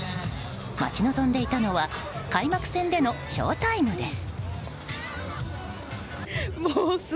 待ち望んでいたのは開幕戦でのショウタイムです。